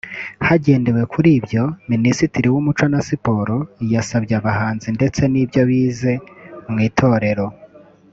Hagendewe kuri ibyo Minisitiri w’Umuco na Siporo yasabye abahanzi ndetse n’ibyo bize mu itorero